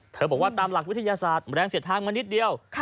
บอกว่าตามหลักวิทยาศาสตร์แรงเสียดทางมานิดเดียว